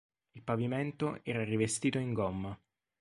Il pavimento era rivestito in gomma.